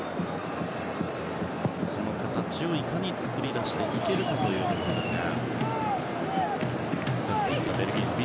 その形を、いかに作り出していけるかというところですが。